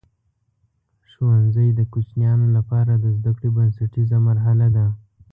ښوونځی د کوچنیانو لپاره د زده کړې بنسټیزه مرحله ده.